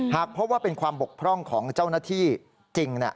หากพบว่าเป็นความบกพร่องของเจ้าหน้าที่จริง